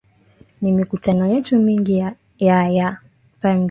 na mikutano yetu mingi ya ya